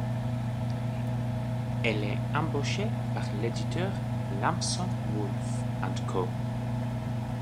Elle est embauchée par l'éditeur Lamson Wolffe and Co.